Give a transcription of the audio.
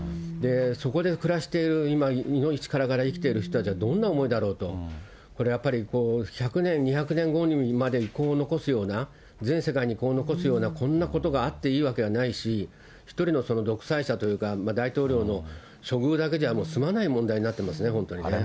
そこで暮らしている今、命からがら生きている方々はどんな思いだろうと、これやっぱり１００年、２００年後まで遺恨を残すような、全世界に遺恨を残すような、こんなことがあっていいわけはないし、一人の独裁者というか、大統領の処遇だけではもう済まない問題になってますね、本当にね。